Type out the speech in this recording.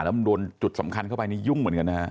แล้วมันโดนจุดสำคัญเข้าไปนี่ยุ่งเหมือนกันนะฮะ